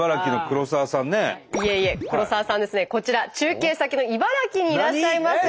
黒沢さんですねこちら中継先の茨城にいらっしゃいます。